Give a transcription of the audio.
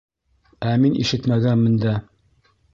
Ә мин ишетмәгәнмен дә.